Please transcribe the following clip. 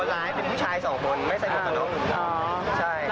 คนร้ายเป็นผู้ชายสองคนไม่ใช่หมดตัวเนอะ